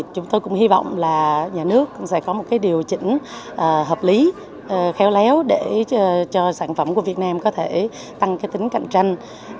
chúng tôi cũng hy vọng là nhà nước sẽ có một điều chỉnh hợp lý khéo léo để cho sản phẩm của việt nam có thể tăng tính cạnh tranh